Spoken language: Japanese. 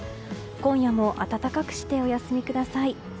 今夜も暖かくしてお休みください。